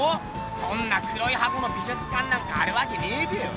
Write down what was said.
そんな黒い箱の美術館なんかあるわけねえべよ。